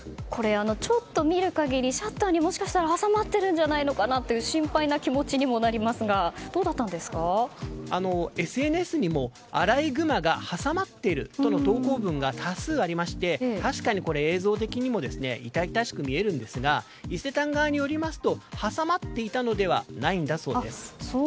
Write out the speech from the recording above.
ちょっと見る限りシャッターに、もしかしたら挟まっているんじゃないのかなと心配な気持ちになりますがＳＮＳにも、アライグマが挟まっているとの投稿文が多数ありまして確かに映像的にも痛々しく見えるんですが伊勢丹側によりますと挟まっていたのではないんだそうです。